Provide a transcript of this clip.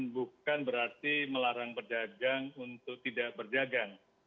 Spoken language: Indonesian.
bukan berarti melarang pedagang untuk tidak berdagang